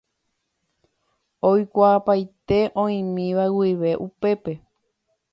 Oikuaapaite oĩmíva guive upépe.